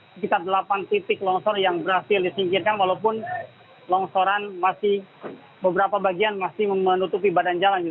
sekitar delapan titik longsor yang berhasil disingkirkan walaupun longsoran masih beberapa bagian masih menutupi badan jalan